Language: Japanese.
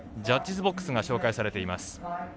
ジャッジズボックスが紹介されています。